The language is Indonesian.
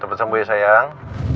coba sembuh ya sayang